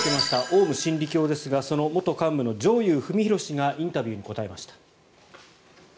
オウム真理教ですがその元幹部の上祐史浩氏がインタビューに答えました。